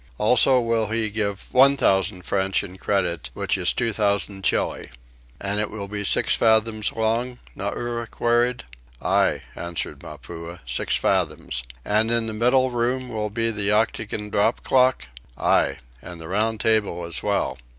Also will he give one thousand French in credit, which is two thousand Chili." "And it will be six fathoms long?" Nauri queried. "Ay," answered Mapuhi, "six fathoms." "And in the middle room will be the octagon drop clock?" "Ay, and the round table as well."